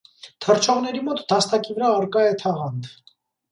Թռչողների մոտ դաստակի վրա առկա է թաղանթ։